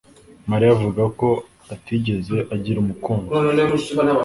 Mariya avuga ko atigeze agira umukunzi.